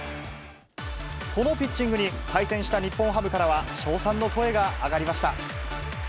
このピッチングに、対戦した日本ハムからは、称賛の声が上がりました。